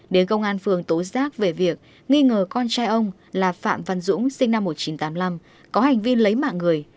đến công an phường tố giác về việc nghi ngờ con trai ông là phạm văn dũng sinh năm một nghìn chín trăm tám mươi năm có hành vi lấy mạng người